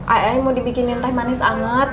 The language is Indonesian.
ay ay mau dibikinin teh manis anget